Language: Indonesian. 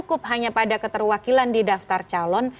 cukup hanya pada keterwakilan di daftar calon